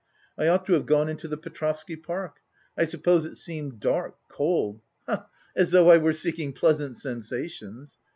I ought to have gone into the Petrovsky Park! I suppose it seemed dark, cold, ha ha! As though I were seeking pleasant sensations!...